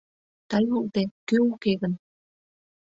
Тый улде, кӧ уке гын?!